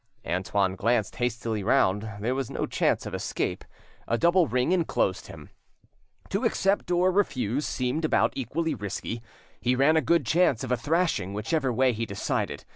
Antoine glanced hastily round; there was no chance of escape, a double ring enclosed him. To accept or refuse seemed about equally risky; he ran a good chance of a thrashing whichever way he decided.